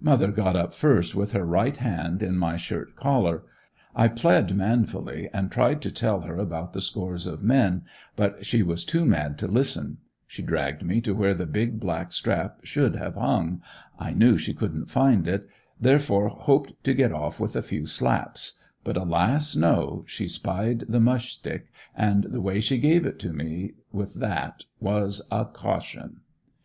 Mother got up first with her right hand in my shirt collar, I plead manfully, and tried to tell her about the scores of men, but she was too mad to listen, she dragged me to where the big black strap should have hung, I knew she couldn't find it, therefore hoped to get off with a few slaps, but alas, no she spied the mush stick and the way she gave it to me with that was a caution!